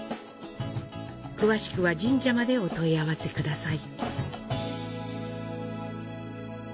詳しくは神社までお問い合せください。